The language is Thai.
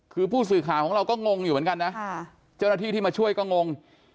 คือผู้สื่อข่าวของเราก็งงอยู่เหมือนกันนะเจ้าหน้าที่ที่มาช่วยก็งง